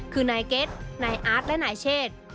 คือนายเก็ตนายอาร์ตและนายเชษ